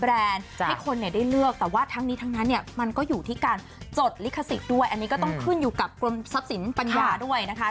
อันนี้ก็ต้องขึ้นอยู่กับกรมทรัพย์สินปัญญาด้วยนะคะ